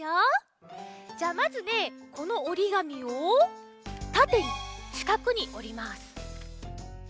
じゃあまずねこのおりがみをたてにしかくにおります。